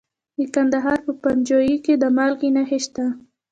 د کندهار په پنجوايي کې د مالګې نښې شته.